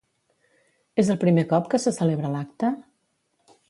És el primer cop que se celebra l'acte?